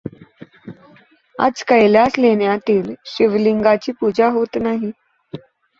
आज कैलास लेण्यातील शिवलिंगाची पूजा होत नाही.